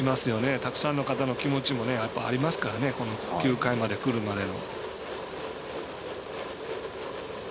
たくさんの気持ちもありますからこの９回までくるまでの。